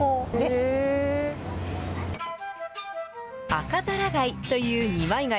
アカザラガイという二枚貝。